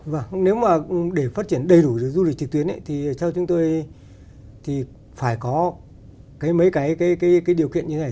vâng nếu mà để phát triển đầy đủ được du lịch trực tuyến thì cho chúng tôi thì phải có mấy cái điều kiện như thế này